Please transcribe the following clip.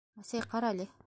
Әсәй, ҡара әле!